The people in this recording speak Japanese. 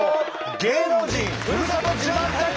芸能人ふるさと自慢対決！